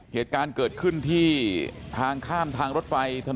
เหตุการณ์เกิดขึ้นที่ทางข้ามทางรถไฟถนนท้องคุ้ง